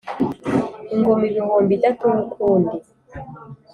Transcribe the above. Ingoma ibihumbi idatuwe ukundi,